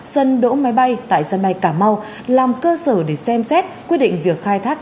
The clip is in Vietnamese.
sân đỗ máy bay tại sân bay cà mau làm cơ sở để xem xét quyết định việc khai thác